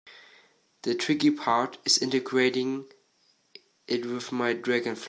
The tricky part is integrating it with Dragonfly.